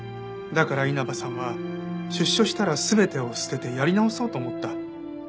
だから稲葉さんは出所したら全てを捨ててやり直そうと思った。